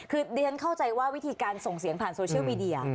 คือเรียนเข้าใจว่าวิธีการส่งเสียงผ่านโซเชียลมีเดีย